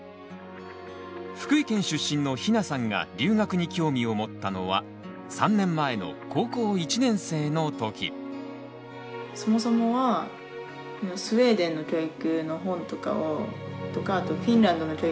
福井県出身のひなさんが留学に興味を持ったのは３年前の高校１年生の時。という思いがあり高２の時ノルウェーへ留学！